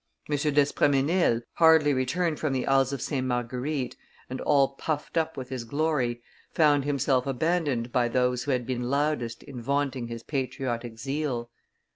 M. d'Espremesnil, hardly returned from the Isles of St. Marguerite, and all puffed up with his glory, found himself abandoned by those who had been loudest in vaunting his patriotic zeal.